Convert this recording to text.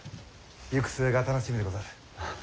行く末が楽しみでござる。